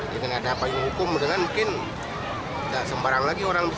dengan ada payung hukum dengan mungkin tidak sembarang lagi orang bisa